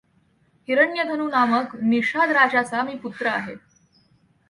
हिरण्यधनु नामक निषाद राजाचा मी पुत्र आहे.